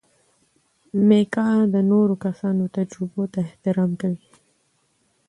میکا د نورو کسانو تجربو ته احترام کوي.